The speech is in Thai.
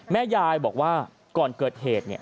แม่ยายบอกว่าก่อนเกิดเหตุ